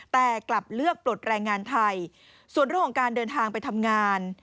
แต่กลับเลือกปลดแรงงานไทยส่วนเรื่องของการเดินทางไปทำงาน